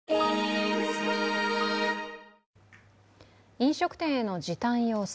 飲食店への時短要請。